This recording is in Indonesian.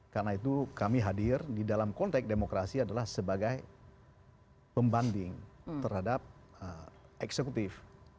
karena itu kami hadir di dalam konteks demokrasi adalah sebagai pembanding terhadap eksekutif